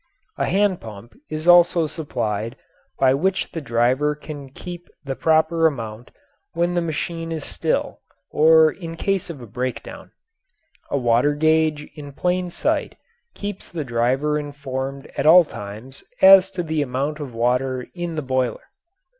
A hand pump is also supplied by which the driver can keep the proper amount when the machine is still or in case of a breakdown. A water gauge in plain sight keeps the driver informed at all times as to the amount of water in the boiler.